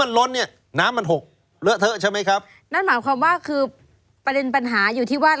ประเด็นปัญหาอยู่ที่ว่า